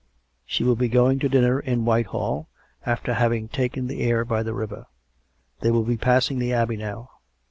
" She will be going to dinner in Whitehall, after having taken the air by the river. They will be passing the Abbey now.